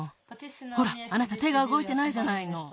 ほらあなた手がうごいてないじゃないの。